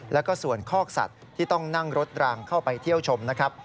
แล้วก็ส่วนคอกสัตว์ที่ต้องนั่งรถรางเข้าไปเที่ยวชมนะครับ